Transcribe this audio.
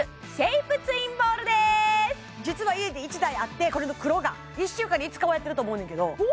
実は家に１台あってこれの黒が１週間に５日はやってると思うねんけどおお！